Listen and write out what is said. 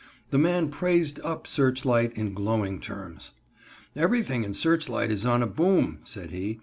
The man praised up Searchlight in glowing terms. "Everything in Searchlight is on a boom," said he.